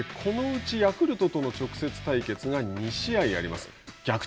このうちヤクルトとの直接対決が２試合あります。